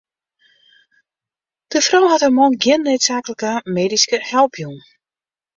De frou hat har man gjin needsaaklike medyske help jûn.